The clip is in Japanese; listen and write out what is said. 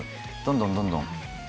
どんどんどんどん。